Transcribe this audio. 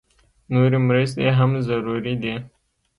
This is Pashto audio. نورې مرستې هم ضروري دي